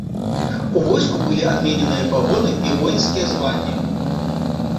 У войску былі адмененыя пагоны і воінскія званні.